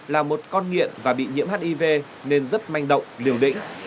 là một con nghiện và bị nhiễm hiv nên rất manh động liều lĩnh